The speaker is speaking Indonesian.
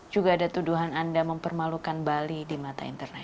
juga ada tuduhan anda mempermalukan bali di mana